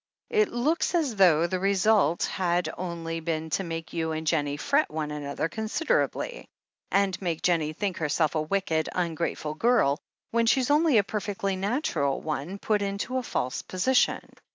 It looks as though the result had only been to make you and Jennie fret one another con siderably, and make Jennie think herself a wicked, un grateful girl, when she's only a perfectly natural one put into a false position.